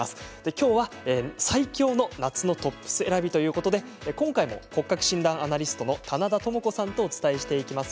きょうは最強の夏のトップス選びということで今回も骨格診断アナリストの棚田トモコさんとお伝えしていきます。